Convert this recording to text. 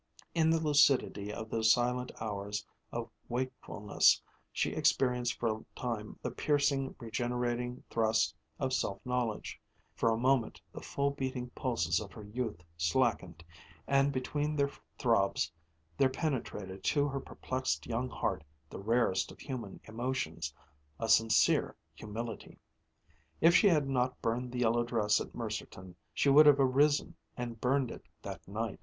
In the lucidity of those silent hours of wakefulness she experienced for a time the piercing, regenerating thrust of self knowledge. For a moment the full beating pulses of her youth slackened, and between their throbs there penetrated to her perplexed young heart the rarest of human emotions, a sincere humility. If she had not burned the yellow dress at Mercerton, she would have arisen and burned it that night....